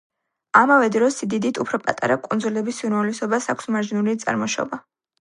ამავე დროს სიდიდით უფრო პატარა კუნძულების უმრავლესობას აქვს მარჯნული წარმოშობა.